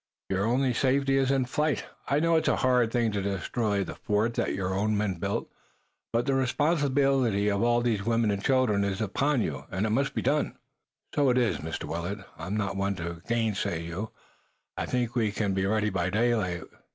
Your only safety is in flight. I know it's a hard thing to destroy the fort that your own men built, but the responsibility of all these women and children is upon you, and it must be done." "So it is, Mr. Willet. I'm not one to gainsay you. I think we can be ready by daylight.